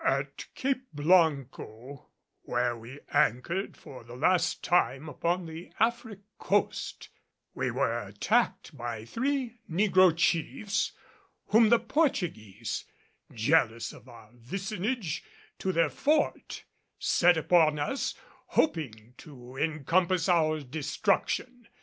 At Cape Blanco, where we anchored for the last time upon the Afric coast, we were attacked by three negro chiefs whom the Portuguese, jealous of our vicinage to their fort, set upon us, hoping to encompass our destruction.